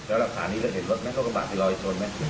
แล้วหลังจากนี้เห็นรถแม่ก็กระบะที่รอยชนมั้ย